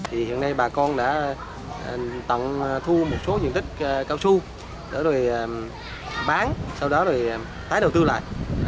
thì hiện nay bà con đã tặng thu một số diện tích cao su để rồi bán sau đó rồi tái đầu tư lại